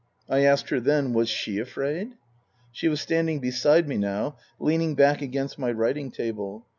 I asked her then, Was she afraid ? She was standing beside me now, leaning back against my writing table.